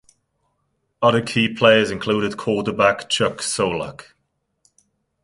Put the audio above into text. Other key players included quarterback Chuck Zolak.